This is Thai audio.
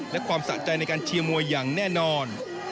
และความสะใจในการเชียร์มวยอย่างแน่นอน